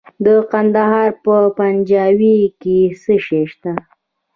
د کندهار په پنجوايي کې څه شی شته؟